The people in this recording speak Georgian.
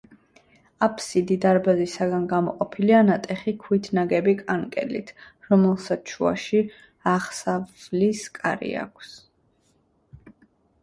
აფსიდი დარბაზისაგან გამოყოფილია ნატეხი ქვით ნაგები კანკელით, რომელსაც შუაში აღსავლის კარი აქეს.